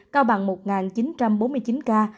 cao bằng một chín trăm bốn mươi chín ca